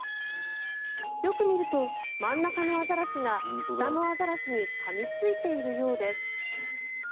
よく見ると真ん中のアザラシが下のアザラシにかみついているようです。